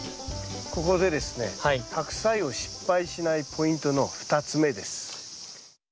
ここでですねハクサイを失敗しないポイントの２つ目です。